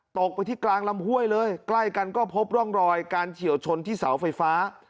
ตกไปที่กลางลำห้วยเลยใกล้กันก็พบร่องรอยการเฉียวชนที่เสาไฟฟ้า